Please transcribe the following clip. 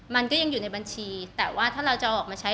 มันก็ยังอยู่ในบัญชีแต่ว่าถ้าเราจะเอาออกมาใช้